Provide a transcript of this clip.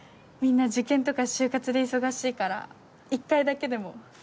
みんな受験とか就活で忙しいから１回だけでも。